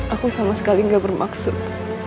aku sama sekali gak bermaksud